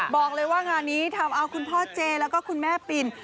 บอกเลยว่างานนี้ทำเอาคุณพ่อเจแล้วก็คุณแม่ปิน